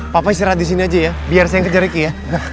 papa istirahat disini aja ya biar saya yang kejar riki ya